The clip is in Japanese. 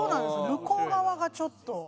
向こう側がちょっと。